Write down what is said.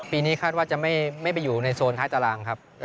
ปีนี้คาดว่าจะไม่ไปอยู่ในโซนท้ายตารางครับ